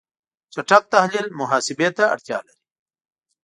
چټک تحلیل محاسبه ته اړتیا لري.